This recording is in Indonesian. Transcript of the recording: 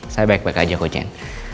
saya baik baik aja kok jen